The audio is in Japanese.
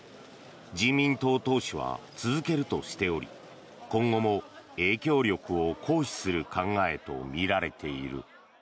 人民党党首は続けるとしており今後も影響力を行使する考えとみられている。